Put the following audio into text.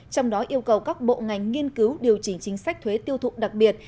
trong đó yêu cầu các bộ ngành nghiên cứu điều chỉnh chính sách thuế tiêu thụ đặc biệt